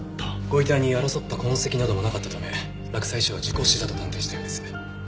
ご遺体に争った痕跡などもなかったため洛西署は事故死だと断定したようです。